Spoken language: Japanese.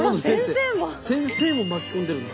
先生も巻き込んでるの？